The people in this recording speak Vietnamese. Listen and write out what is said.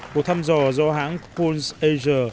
một thăm dò do hãng pulse asia